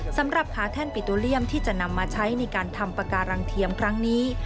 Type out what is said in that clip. สำหรับขาแท่นปิโตเลียมที่จะนำมาใช้ในการทำปากการังเทียมครั้งนี้